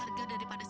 bapak mau mandi